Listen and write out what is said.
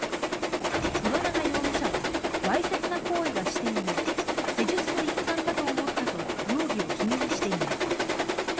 岩永容疑者はわいせつな行為はしていない施術の一環だと思ったと容疑を否認しています。